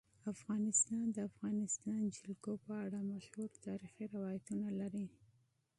افغانستان د د افغانستان جلکو په اړه مشهور تاریخی روایتونه لري.